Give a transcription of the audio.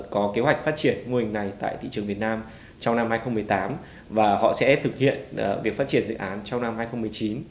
có kế hoạch phát triển mô hình này tại thị trường việt nam trong năm hai nghìn một mươi tám và họ sẽ thực hiện việc phát triển dự án trong năm hai nghìn một mươi chín